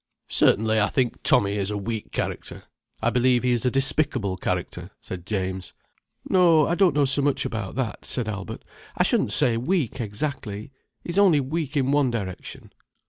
"Certainly I think Tommy is a weak character. I believe he's a despicable character," said James. "No, I don't know so much about that," said Albert. "I shouldn't say weak, exactly. He's only weak in one direction.